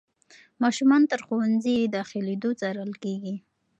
ماشومان تر ښوونځي داخلېدو څارل کېږي.